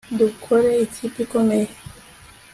Dukora ikipe ikomeye